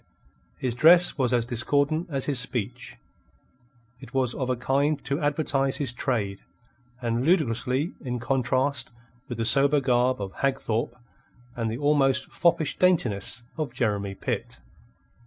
His dress was as discordant as his speech. It was of a kind to advertise his trade, and ludicrously in contrast with the sober garb of Hagthorpe and the almost foppish daintiness of Jeremy Pitt.